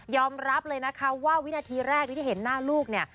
รับเลยนะคะว่าวินาทีแรกที่ได้เห็นหน้าลูกเนี่ย